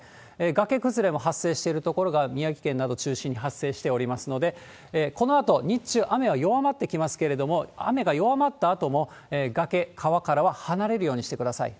崖崩れも発生してる所が宮城県など中心に発生しておりますので、このあと日中、雨は弱まってきますけれども、雨が弱まったあとも、崖、川からは離れるようにしてください。